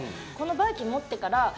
このバーキン持ってから。